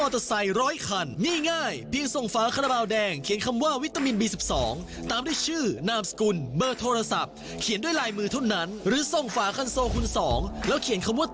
ใช่แล้วค่ะกติกาก็ไม่ได้ยาก